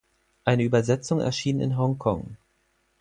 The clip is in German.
Eine Übersetzung erschien in Hongkong.